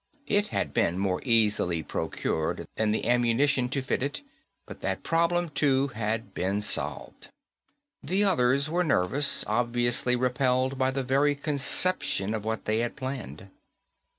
It had been more easily procured than the ammunition to fit it, but that problem too had been solved. The others were nervous, obviously repelled by the very conception of what they had planned.